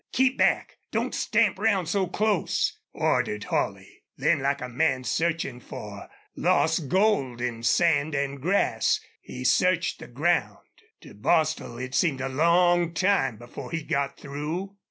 "Keep back; don't stamp round so close," ordered Holley. Then like a man searching for lost gold in sand and grass he searched the ground. To Bostil it seemed a long time before he got through.